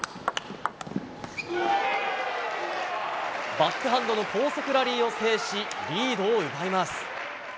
バックハンドの高速ラリーを制しリードを奪います。